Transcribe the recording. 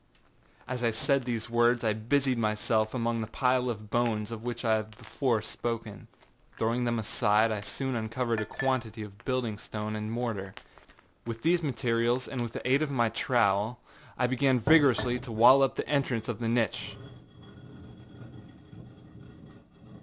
â As I said these words I busied myself among the pile of bones of which I have before spoken. Throwing them aside, I soon uncovered a quantity of building stone and mortar. With these materials and with the aid of my trowel, I began vigorously to wall up the entrance of the niche.